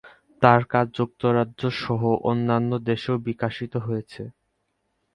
তার কাজ যুক্তরাজ্য সহ অন্যান্য দেশেও বিকশিত হয়েছে।